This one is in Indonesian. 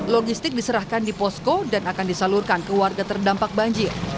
logistik diserahkan di posko dan akan disalurkan ke warga terdampak banjir